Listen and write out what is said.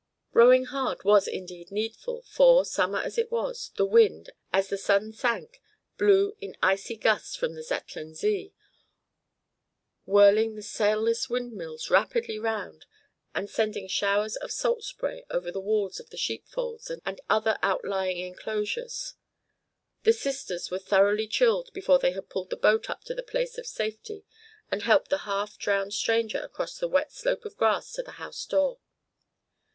Rowing hard was indeed needful, for, summer as it was, the wind, as the sun sank, blew in icy gusts from the Zetland Zee, whirling the sailless windmills rapidly round, and sending showers of salt spray over the walls of the sheepfolds and other outlying enclosures. The sisters were thoroughly chilled before they had pulled the boat up to a place of safety and helped the half drowned stranger across the wet slope of grass to the house door.